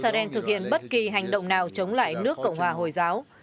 israel thực hiện bất kỳ hành động nào chống lại nước cộng hòa hồi giáo